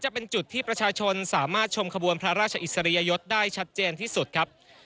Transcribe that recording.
ประชาชนสามารถชมขบวนพระราชอิสริยยศได้ชัดเจนที่สุดครับ